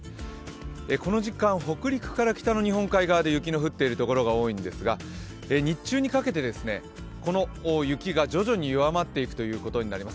この時間北陸から来たの日本海側で雪の降っている所が多いんですが日中にかけてこの雪が徐々に弱まっていくことになります。